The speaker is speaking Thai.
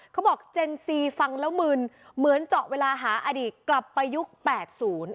เขาบอกเจนซีฟังแล้วมึนเหมือนเจาะเวลาหาอดีตกลับไปยุคแปดศูนย์